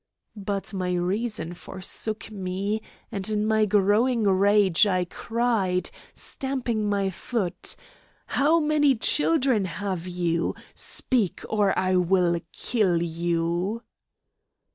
But my reason forsook me, and in my growing rage I cried, stamping my foot: "How many children have you? Speak, or I will kill you!"